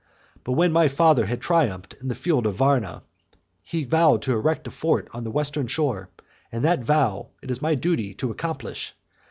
But when my father had triumphed in the field of Warna, he vowed to erect a fort on the western shore, and that vow it is my duty to accomplish.